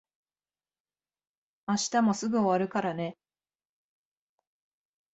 明日もすぐ終わるからね。